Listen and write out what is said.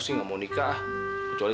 saya ada nanti kembali kulip